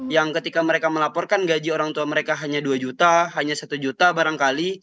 yang ketika mereka melaporkan gaji orang tua mereka hanya dua juta hanya satu juta barangkali